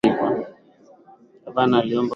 Gavana aliomba na kupata msaada wa wanajeshi